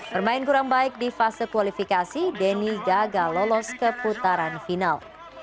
bermain kurang baik di fase kualifikasi denny gagal lolos ke putaran final